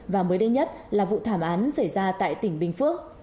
và mới đây nhất là vụ thảm án xảy ra tại tỉnh bình phước